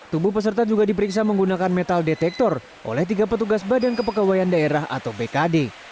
tubuh peserta juga diperiksa menggunakan metal detektor oleh tiga petugas badan kepegawaian daerah atau bkd